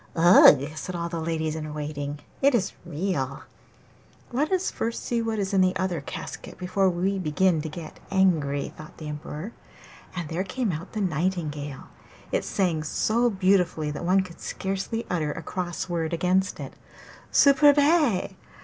'Ugh!' said all the ladies in waiting, 'it is real!' 'Let us see first what is in the other casket before we begin to be angry,' thought the Emperor, and there came out the nightingale. It sang so beautifully that one could scarcely utter a cross word against it. 'Superbe!